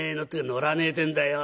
「乗らねえてんだよ」。